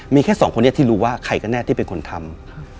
มีแค่สองคนนี้ที่รู้ว่าใครก็แน่ที่เป็นคนทำ